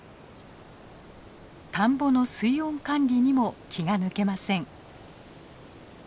田んぼの水温管理にも気が抜けません。